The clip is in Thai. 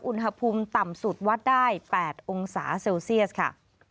อุณหภูมิต่ำสุดวัดได้๘องศาเซลเซียสค่ะ